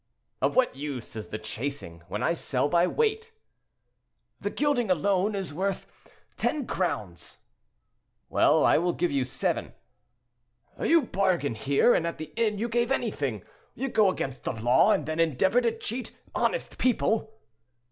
"Of what use is the chasing, when I sell by weight?" "The gilding alone is worth ten crowns—" "Well, I will give you seven." "You bargain here, and at the inn you gave anything; you go against the law and then endeavor to cheat honest people."